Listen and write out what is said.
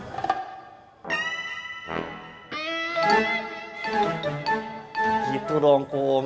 gitu dong kum